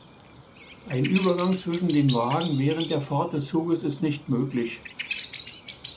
Ein Übergang zwischen den Wagen während der Fahrt des Zuges ist nicht möglich.